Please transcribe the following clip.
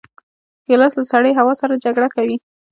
ګیلاس له سړې هوا سره جګړه کوي.